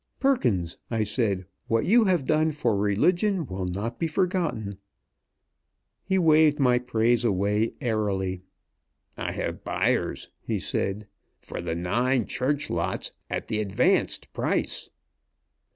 "Perkins," I said, "what you have done for religion will not be forgotten." He waved my praise away airily. "I have buyers," he said, "for the nine church lots at the advanced price."